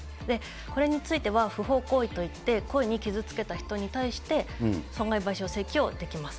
これについては不法行為といって、故意に傷つけた人に対して損害賠償請求をできます。